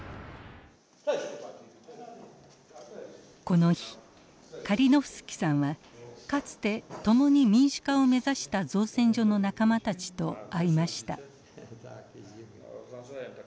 この日カリノフスキさんはかつて共に民主化を目指した造船所の仲間たちと会いました。